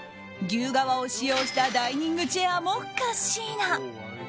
牛側を使用したダイニングチェアもカッシーナ。